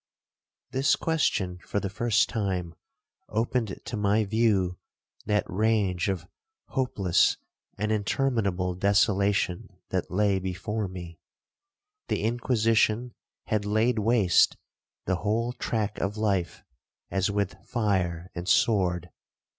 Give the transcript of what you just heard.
This question for the first time opened to my view that range of hopeless and interminable desolation that lay before me,—the Inquisition had laid waste the whole track of life, as with fire and sword.